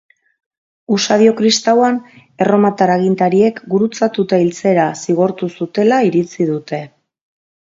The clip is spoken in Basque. Usadio kristauan erromatar agintariek gurutzatuta hiltzera zigortu zutela iritzi dute.